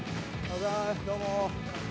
どうも。